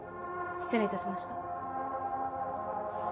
失礼致しました。